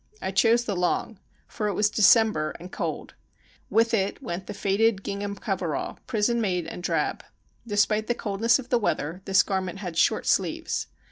I chose the long, for it was December and cold. With it went the faded gingham coverall, prison made and drab. Despite the coldness of the weather, this garment had short sleeves.